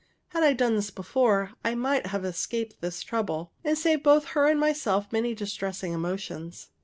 Had I done this before, I might have escaped this trouble, and saved both her and myself many distressing emotions.